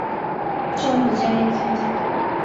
চল যাই এখান থেকে।